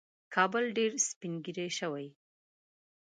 کابل ډېر سپین ږیری شوی